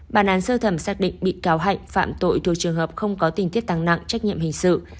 bản án sơ thẩm xác định bị cáo hạnh phạm tội thuộc trường hợp không có tình tiết tăng nặng trách nhiệm hình sự